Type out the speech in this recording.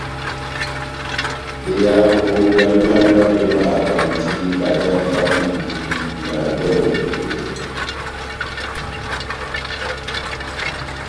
Behavo bia mianga bevahakandi bajandi bá ngudi na dolè kèkèi.